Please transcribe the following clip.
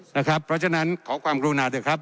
เพราะฉะนั้นขอความกรุณาเถอะครับ